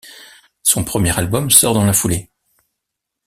Son premier album sort dans la foulée.